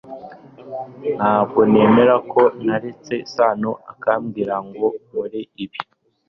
Ntabwo nemera ko naretse Sano akambwira ngo nkore ibi